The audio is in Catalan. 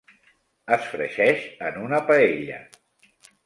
Es fregeix en una paella.